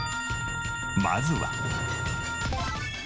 まずは。